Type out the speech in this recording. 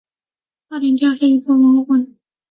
差点掉下去做亡魂